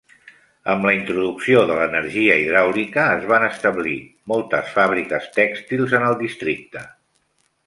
Amb la introducció de l'energia hidràulica, es van establir moltes fàbriques tèxtils en el districte.